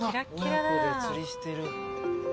・親子で釣りしてる。